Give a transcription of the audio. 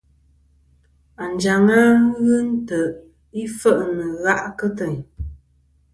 Anjaŋ-a ghɨ nt̀' i fe'nɨ gha' kɨ teyn.